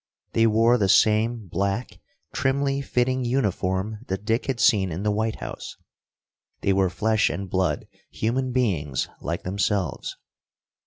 They wore the same black, trimly fitting uniform that Dick had seen in the White House. They were flesh and blood human beings like themselves.